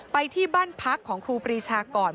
ไปที่บ้านพักของครูปรีชาก่อน